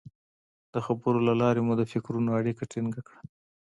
د خبرو له لارې مو د فکرونو اړیکه ټینګه کړه.